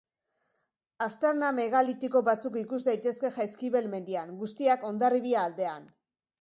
Aztarna megalitiko batzuk ikus daitezke Jaizkibel mendian, guztiak Hondarribia aldean.